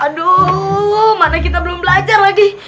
aduh mana kita belum belajar lagi